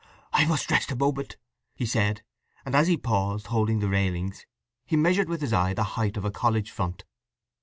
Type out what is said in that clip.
"I must rest a moment," he said; and as he paused, holding to the railings, he measured with his eye the height of a college front.